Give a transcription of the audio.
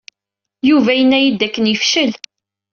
Yuba yenna-iyi-d dakken yefcel.